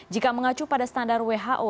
jika mengacu pada standar who